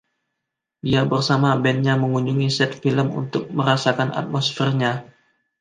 Dia bersama bandnya mengunjungi set film untuk merasakan atmosfernya.